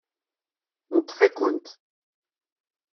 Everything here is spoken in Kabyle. Neṭṭef-ikent.